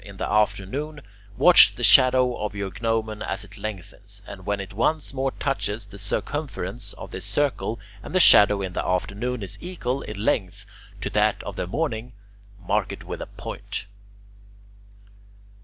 In the afternoon watch the shadow of your gnomon as it lengthens, and when it once more touches the circumference of this circle and the shadow in the afternoon is equal in length to that of the morning, mark it with a point.